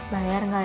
bayar gak ya